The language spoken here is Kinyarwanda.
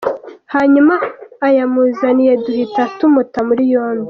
Hanyuma ayamuzaniye duhita tumuta muri yombi”.